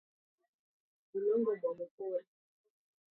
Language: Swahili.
Bulongo bwa mu pori buko na tosha biakuria bia ku furaisha sana